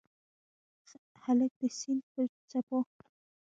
هلک د سیند پر څپو